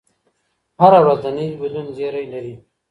هره ورځ د نوي بدلون زېری لري